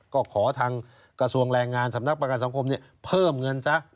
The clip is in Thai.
ก็ขอทางกระทรวงแรงงานสำนักประกันสังคมเพิ่มเงินซะ